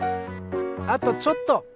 あとちょっと！